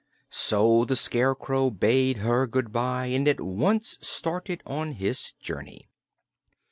So the Scarecrow bade her good bye and at once started on his journey.